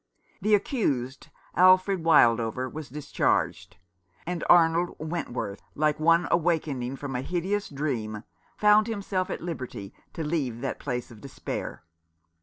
The accused, Alfred Wildover, was discharged ; and Arnold Wentworth, like one awaking from a hideous dream, found himself at liberty to leave that place of despair.